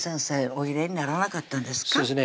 お入れにならなかったんですか？